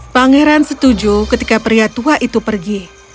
pangeran setuju ketika pria tua itu pergi